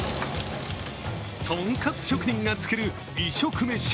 とんかつ職人が作る異色メシ。